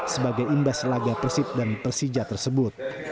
sebagai imbas laga persib dan persija tersebut